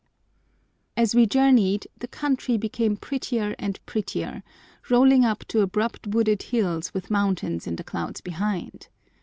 As we journeyed the country became prettier and prettier, rolling up to abrupt wooded hills with mountains in the clouds behind.